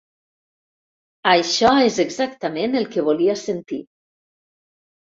Això és exactament el que volia sentir.